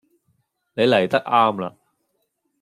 你黎得岩啦